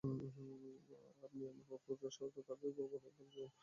আপনি আমার অপেক্ষা সকল বিষয়েই অনেক ভাল বুঝেন।